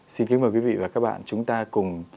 xin kính mời quý vị và các bạn chúng ta cùng